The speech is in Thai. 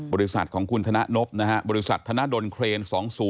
บริษัทของคุณธนานบบริษัทธนาดนเครน๒๐๑๒